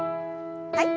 はい。